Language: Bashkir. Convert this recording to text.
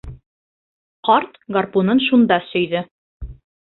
Ҡарт гарпунын шунда сөйҙө.